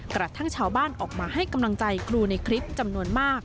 กระทั่งชาวบ้านออกมาให้กำลังใจครูในคลิปจำนวนมาก